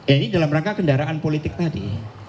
ini dalam rangka kendaraan politik tadi